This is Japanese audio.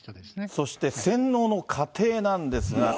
そして洗脳の過程なんですが。